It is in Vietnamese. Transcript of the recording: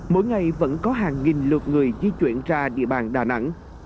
mỗi ngày vẫn có hàng nghìn lượt người di chuyển ra địa bàn đà nẵng